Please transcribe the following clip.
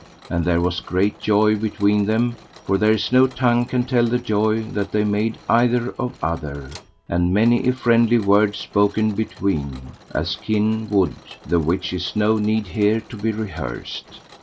And there was great joy between them, for there is no tongue can tell the joy that they made either of other, and many a friendly word spoken between, as kin would, the which is no need here to be rehearsed.